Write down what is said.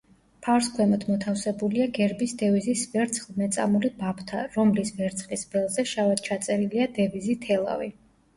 ფარს ქვემოთ მოთავსებულია გერბის დევიზის ვერცხლ-მეწამული ბაფთა, რომლის ვერცხლის ველზე შავად ჩაწერილია დევიზი „თელავი“.